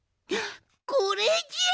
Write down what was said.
これじゃ！